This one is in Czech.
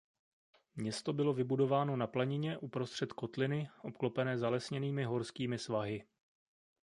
Město bylo vybudováno na planině uprostřed kotliny obklopené zalesněnými horskými svahy.